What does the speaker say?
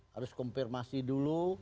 harus konfirmasi dulu